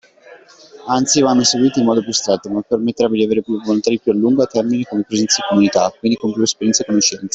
Anzi vanno seguiti in modo più stretto ma permette di avere dei volontari più a lungo termine come presenza in comunità, quindi con più esperienza e conoscenza.